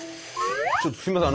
ちょっとすいません